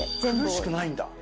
苦しくないんだ？